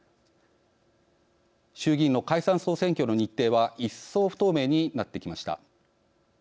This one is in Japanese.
衆議院の解散総選挙の日程は一層、不透明になってきました。